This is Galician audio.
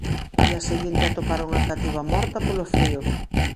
Ao día seguinte atoparon a cativa morta polo frío.